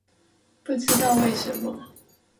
不知道為什麼